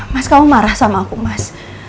mas kamu marah sama aku mas